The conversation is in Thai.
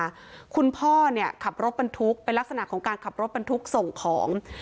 คุณพ่อเนี่ยขับรถบรรทุกเป็นลักษณะของการขับรถบรรทุกส่งของ